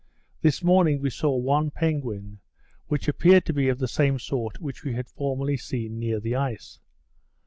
This morning we saw one penguin, which appeared to be of the same sort which we had formerly seen near the ice.